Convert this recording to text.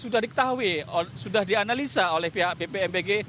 sudah diketahui sudah dianalisa oleh pihak pb mbg